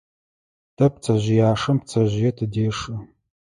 Тэ пцэжъыяшэм пцэжъые тыдешэ.